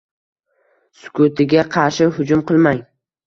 Sukutiga qarshi hujum qilmang.